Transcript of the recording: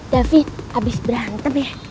davin abis berantem ya